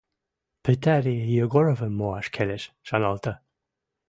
«Пӹтӓри Егоровым моаш келеш», — шаналта.